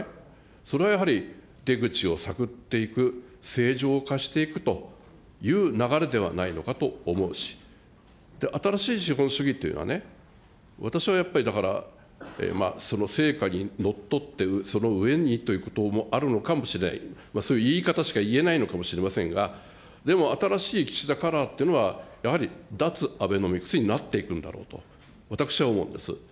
それはやはり、出口を探っていく、正常化していくという流れではないのかと思うし、新しい資本主義っていうのはね、私はやっぱり、だから、その成果にのっとって、その上にということもあるのかもしれない、そういう言い方しか言えないのかもしれませんが、でも新しい岸田カラーっていうのは、やはり、脱アベノミクスになっていくんだろうと、私は思うんです。